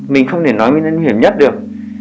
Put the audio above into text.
mình không thể nói nguyên nhân nguy hiểm nhất được